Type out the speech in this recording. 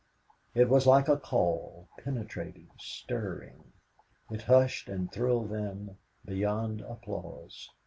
It was like a call, penetrating, stirring. It hushed and thrilled them beyond applause.